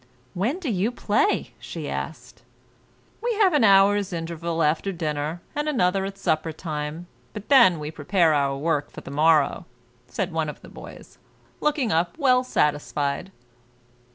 "When do you play?" she asked. "We have an hour's interval after dinner, and another at supper time, but then we prepare our work for the morrow," said one of the boys, looking up well satisfied.